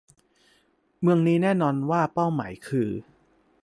เมืองนี้แน่นอนว่าเป้าหมายคือ